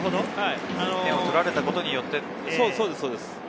点を取られたことによって。